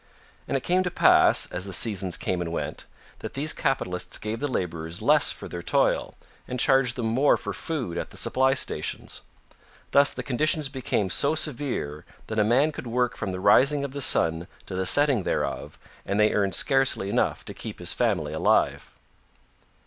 And it came to pass, as the seasons came and went, that these capitalists gave the laborers less for their toil, and charged them more for food at the supply stations. Thus the conditions became so severe that a man could work from the rising of the Sun to the setting thereof, and they earn scarcely enough to keep his family alive.